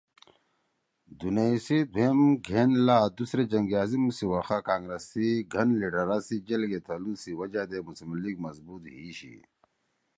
دُونیئی سی دُھوئم گھین لات )دوسری جنگِ عظیم (سی وخا کانگرس سی گَھن لیِڈرا سی جیل گے تھلُو سی وجہ دے مسلم لیگ مضبوط ہی شی